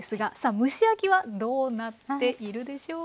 蒸し焼きはどうなっているでしょうか。